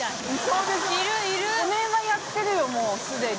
５年はやってるよもうすでに。